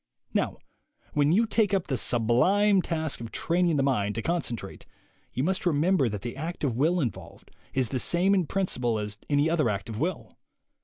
Now when you take up the sublime task of train ing the mind to concentrate, you must remember that the act of will involved is the same in principle as any other act of will.